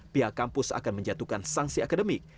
pihak kampus akan menjatuhkan sanksi akademik